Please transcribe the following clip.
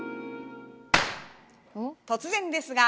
突然ですが